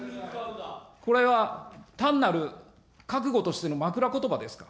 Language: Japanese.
これは、単なる覚悟としての枕詞ですか。